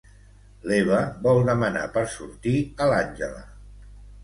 L'Eva vol demanar per sortir a l'Àngela.